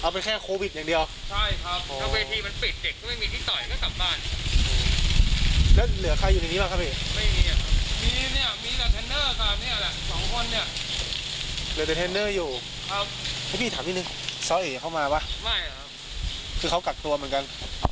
ประโยชน์